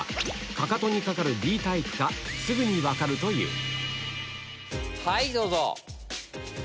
かかとにかかるＢタイプかすぐに分かるというはいどうぞ。